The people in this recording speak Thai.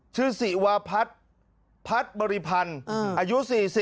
ชื่อว่าศิวาพัฒน์พัฒน์บริพันธ์อายุ๔๐